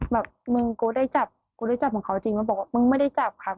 แบบมึงกูได้จับกูได้จับของเขาจริงก็บอกว่ามึงไม่ได้จับครับ